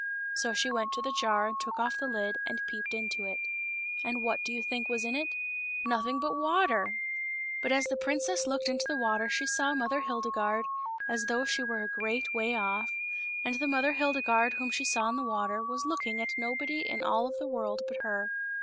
So she went to the jar and took off the lid and peeped into it. And what do you think was in it ? Nothing but water ! But as the princess looked into the water she saw Mother Hildegarde as though she were a great way off, and the Mother Hildegarde whom she saw in the water was looking at nobody in all of the world but her.